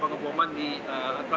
tetapi keamanan sangat diperketat